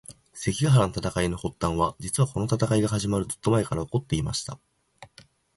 関ヶ原の戦いの発端は、実はこの戦いが始まるずっと前から起こっていました。